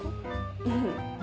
うん。